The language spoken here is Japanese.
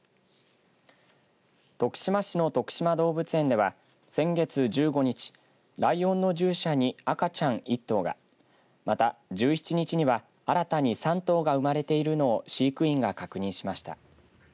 徳島市のとくしま動物園では先月１５日ライオンの獣舎に赤ちゃん１頭がまた、１７日には新たに３頭が生まれているのを飼育員が確認しました。